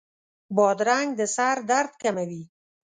بادرنګ د سر درد کموي.